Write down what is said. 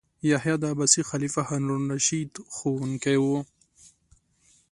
یحیی د عباسي خلیفه هارون الرشید ښوونکی و.